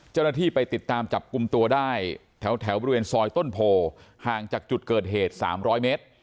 เจ้าหน้าที่ไปติดตามจับกลุ่มตัวได้แถวบริเวณซอยต้นโพห่างจากจุดเกิดเหตุ๓๐๐เมตร